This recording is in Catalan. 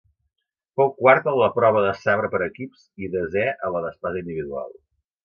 Fou quart en la prova de sabre per equips i desè en la d'espasa individual.